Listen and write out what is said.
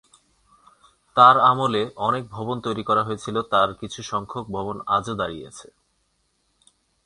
তার আমলে, অনেক ভবন তৈরী করা হয়েছিল, তার কিছু সংখ্যক ভবন আজও দাঁড়িয়ে আছে।